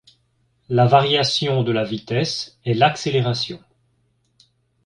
La variation de la vitesse est l'accélération.